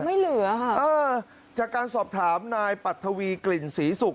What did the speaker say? ไม่เหลือค่ะเออจากการสอบถามนายปัทวีกลิ่นศรีศุกร์